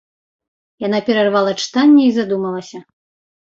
Яна перарвала чытанне і задумалася.